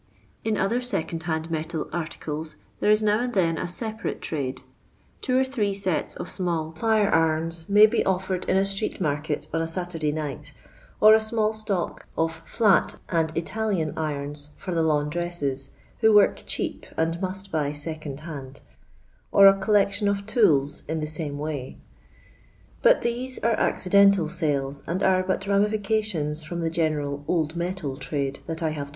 In other second hand metal articles there is now and then a separate trade. Two or three sets of tmo\\ Jirt'irons may be offered in a street market on a Saturday night ; or a small stock of fiat and Italian irons for the laundresses, who work cheap and must buy second hand; or a collection of tools in the same way ; but these are accidental sales, and are but ramiBcations from the general " old metal " trade that I have